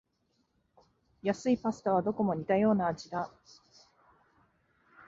安いパスタはどこも似たような味だ